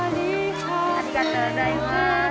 ありがとうございます。